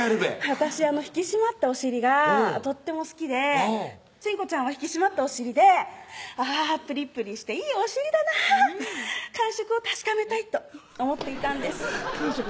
私引き締まったお尻がとっても好きで真子ちゃんは引き締まったお尻であぁプリプリしていいお尻だなぁ感触を確かめたいと想っていたんです感触